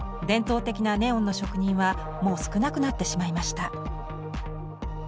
伝統的なネオンの職人はもう少なくなってしまいました。